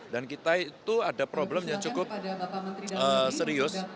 dan kita itu ada problem yang cukup serius